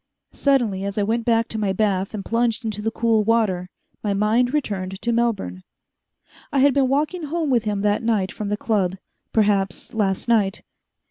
Suddenly, as I went back to my bath and plunged into the cool water, my mind returned to Melbourne. I had been walking home with him that night from the Club perhaps last night.